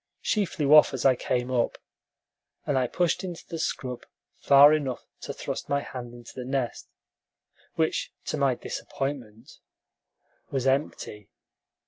She flew off as I came up, and I pushed into the scrub far enough to thrust my hand into the nest, which, to my disappointment, was empty.